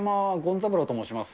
三郎と申します。